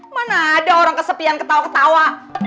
mana ada orang kesepian ketawa ketawa